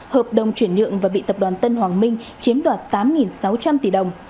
hợp đồng chuyển nhượng và bị tập đoàn tân hoàng minh chiếm đoạt tám sáu trăm linh tỷ đồng